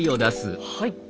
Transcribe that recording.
はい。